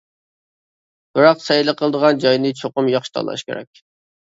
بىراق سەيلە قىلىدىغان جاينى چوقۇم ياخشى تاللاش كېرەك.